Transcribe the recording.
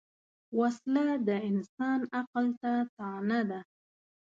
وسله د انسان عقل ته طعنه ده